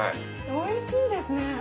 おいしいですね！